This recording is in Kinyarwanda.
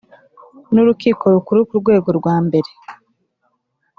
n Urukiko Rukuru ku rwego rwa mbere